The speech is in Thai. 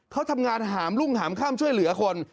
เขาทำงานหามรุ่งหามข้ามช่วยเหลือคน